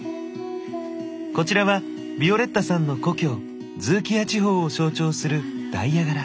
こちらはヴィオレッタさんの故郷ズーキヤ地方を象徴するダイヤ柄。